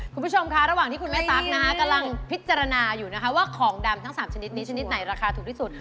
คุณผู้ชมค่ะระหว่างที่คุณแม่ตั๊กนะคะกำลังพิจารณาอยู่นะคะว่าของดำทั้ง๓ชนิดนี้ชนิดไหนราคาถูกที่สุด